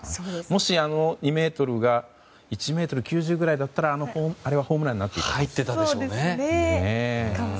もし、あの２ｍが１ｍ９０くらいだったらあれはホームランになっていたかも。